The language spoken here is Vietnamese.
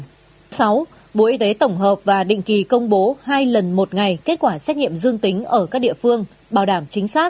thứ y tế tổng hợp và định kỳ công bố hai lần một ngày kết quả xét nghiệm dương tính ở các địa phương bảo đảm chính xác